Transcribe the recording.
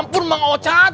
ampun mang ocat